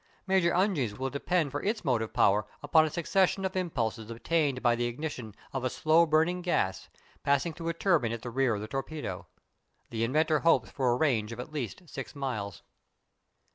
Major Unge's will depend for its motive power upon a succession of impulses obtained by the ignition of a slow burning gas, passing through a turbine in the rear of the torpedo. The inventor hopes for a range of at least six miles.